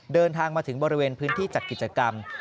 เดินทางมาถึงบริเวณพื้นที่จัดกิจกรรม